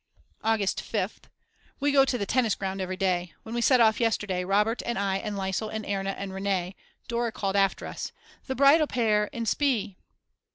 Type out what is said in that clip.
August 5th. We go to the tennis ground every day. When we set off yesterday, Robert and I and Liesel and Erna and Rene, Dora called after us: The bridal pair in spee.